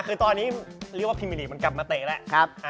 คือตอนนี้เรียกว่าพิมิลีกมันกลับมาเตะแล้ว